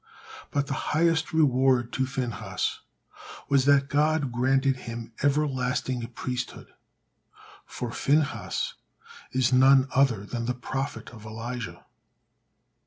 But the highest reward to Phinehas was that God granted him everlasting priesthood. For Phinehas is none other than the prophet of Elijah.